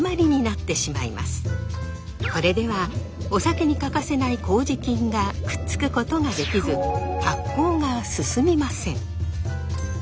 これではお酒に欠かせないこうじ菌がくっつくことができず発酵が進みません。